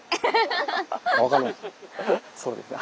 そうですね。